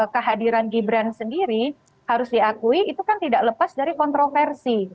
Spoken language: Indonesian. kehadiran gibran sendiri harus diakui itu kan tidak lepas dari kontroversi